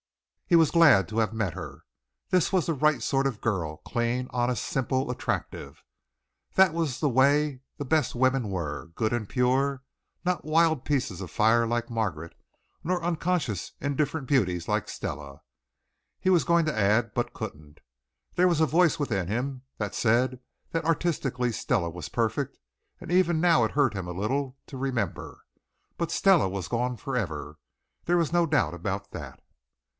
He was glad to have met her. This was the right sort of girl, clean, honest, simple, attractive. That was the way the best women were good and pure not wild pieces of fire like Margaret; nor unconscious, indifferent beauties like Stella, he was going to add, but couldn't. There was a voice within him that said that artistically Stella was perfect and even now it hurt him a little to remember. But Stella was gone forever, there was no doubt about that.